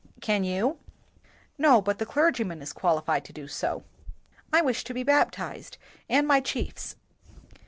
"Can you?" "No, but the clergyman is qualified to do so." "I wish to be baptized and my chiefs."